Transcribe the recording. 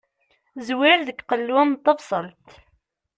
Zwir deg qellu n tebṣelt.